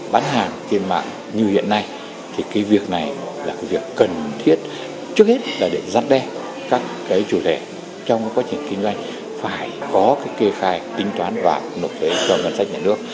bán hàng trên mạng như hiện nay thì cái việc này là cái việc cần thiết trước hết là để giắt đe các cái chủ thể trong quá trình kinh doanh phải có cái kê khai tính toán và nộp thuế cho ngân sách nhà nước